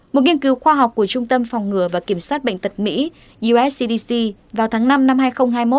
một nghiên cứu khoa học của trung tâm phòng ngừa và kiểm soát bệnh tật mỹ uscdc vào tháng năm năm hai nghìn hai mươi một